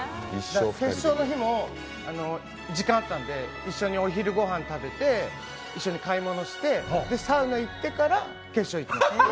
決勝の日も時間あったんで一緒にお昼ごはん食べて一緒に買い物して、サウナ行ってから決勝行きました。